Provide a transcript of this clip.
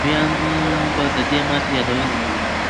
برتانويان به د دې ماتې یادونه کوي.